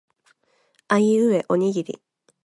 あいうえおにぎり